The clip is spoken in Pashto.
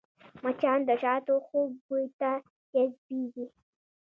مچان د شاتو خوږ بوی ته جذبېږي